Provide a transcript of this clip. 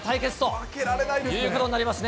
負けられないですね。